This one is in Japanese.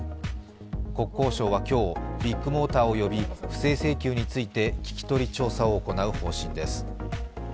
国交省は今日、ビッグモーターを呼び不正請求について聞き取り調査を行う方針です。